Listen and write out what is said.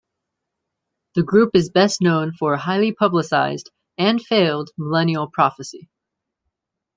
The group is best known for a highly publicized, and failed, millennial prophecy.